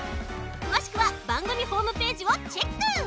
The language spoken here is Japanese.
くわしくはばんぐみホームページをチェック！